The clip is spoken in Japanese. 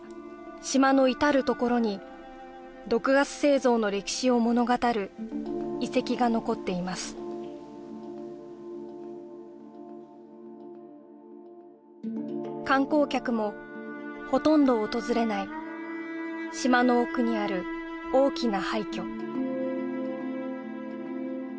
島の至る所に毒ガス製造の歴史を物語る遺跡が残っています観光客もほとんど訪れない島の奥にある大きな廃虚